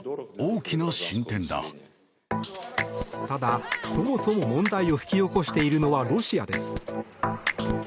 ただ、そもそも問題を引き起こしているのはロシアです。